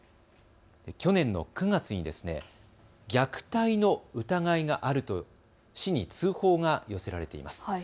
去年の９月に虐待の疑いがあると市に通報が寄せられています。